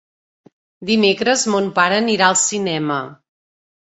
Dimecres mon pare anirà al cinema.